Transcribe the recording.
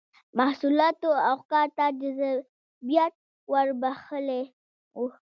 محصولاتو او ښکار ته جذابیت ور بخښلی و